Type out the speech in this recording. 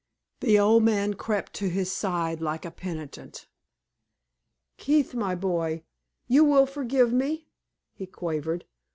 The old man crept to his side like a penitent. "Keith, my boy, you will forgive me?" he quavered.